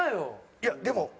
いやでも。